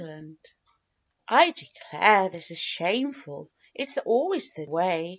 66 T DECLARE, this is shameful !— it's always the J way !